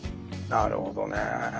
なるほどねえ。